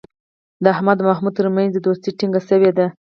د احمد او محمود ترمنځ دوستي ټینگه شوې ده.